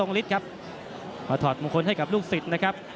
ฤทธิ์ครับมาถอดมงคลให้กับลูกศิษย์นะครับ